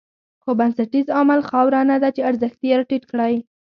خو بنسټیز عامل خاوره نه ده چې ارزښت یې راټيټ کړی.